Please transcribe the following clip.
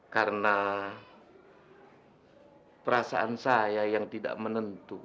karena perasaan saya yang tidak menentu